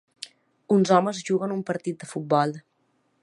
Uns homes juguen un partit de futbol.